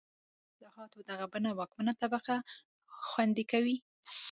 د اصلاحاتو دغه بڼه واکمنه طبقه خوندي کوي.